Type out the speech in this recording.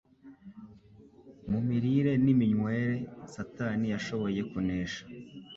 mu mirire n’iminywere, Satani yashoboye kunesha